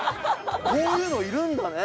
こういうのいるんだね。